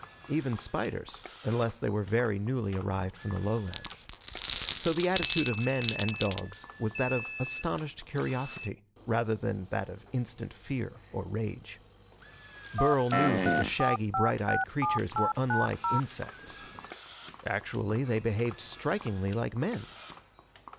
Even spiders, unless they were very newly arrived from the lowlands. So the attitude of men and dogs was that of astonished curiosity rather than that of instant fear or rage. Burl knew that the shaggy, bright eyed creatures were unlike insects. Actually, they behaved strikingly like men.